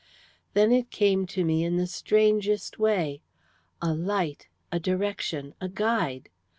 "Then it came to me in the strangest way a light, a direction, a guide.